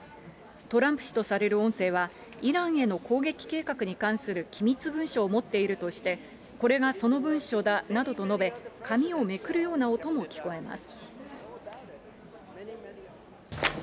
トランプ氏とされる音声は、イランへの攻撃計画に関する機密文書を持っているとして、これがその文書だなどと述べ、紙をめくるような音も聞こえます。